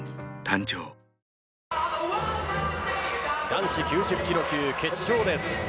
男子９０キロ級決勝です。